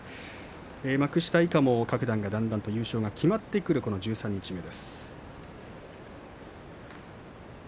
幕下以下も各段、だんだん優勝が決まってきている十三日目。